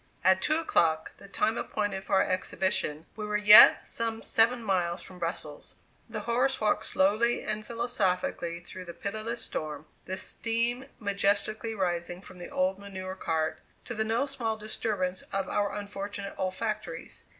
At two o'clock, the time appointed for our exhibition, we were yet some seven miles from Brussels. The horse walked slowly and philosophically through the pitiless storm, the steam majestically rising from the old manure cart, to the no small disturbance of our unfortunate olfactories.